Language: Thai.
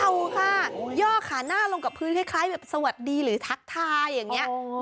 เอาค่ะย่อขาหน้าลงกับพื้นคล้ายแบบสวัสดีหรือทักทายอย่างนี้